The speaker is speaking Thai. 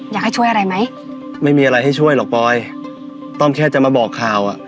อยากให้ช่วยอะไรไหมไม่มีอะไรให้ช่วยหรอกปลอยต้องแค่จะมาบอกข่าวอ่ะ